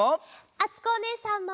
あつこおねえさんも。